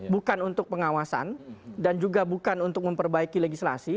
bukan untuk pengawasan dan juga bukan untuk memperbaiki legislasi